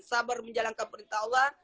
sabar menjalankan perintah allah